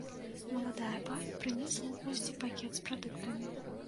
Маладая пара прынесла ў госці пакет з прадуктамі.